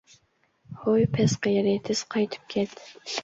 ھوي، پەس قېرى، تېز قايتىپ كەت!